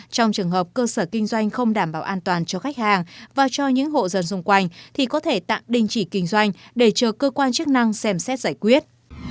trong trường hợp cơ sở kinh doanh không đảm bảo an toàn cho khách hàng và cho những hộ dân xung quanh thì có thể tạm đình chỉ kinh doanh để chờ cơ quan chức năng xem xét giải quyết